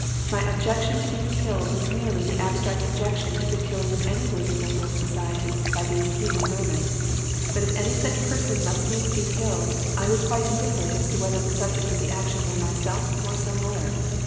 My objection to being killed was merely the abstract objection to the killing of any worthy member of society by these human vermin. But if any such person must needs be killed, I was quite indifferent as to whether the subject of the action were myself or some other.